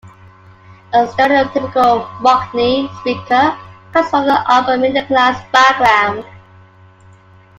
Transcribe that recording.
A stereotypical mockney speaker comes from an upper-middle class background.